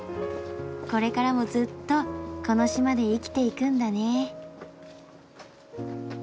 これからもずっとこの島で生きていくんだね。